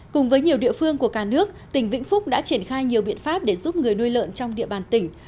cùng với nhiều địa phương của cả nước tỉnh vĩnh phúc đã triển khai nhiều biện pháp để giúp người nuôi lợn trong địa bàn tỉnh